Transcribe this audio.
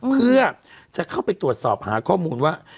เพื่อจะเข้าไปตรวจสอบหาข้อมูลว่า